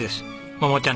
桃ちゃん